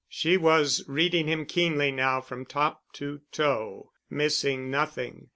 She was reading him keenly now from top to toe, missing nothing.